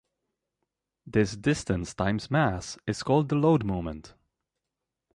This distance times mass is called the load moment.